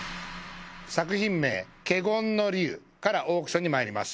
作品名「華厳の龍」からオークションにまいります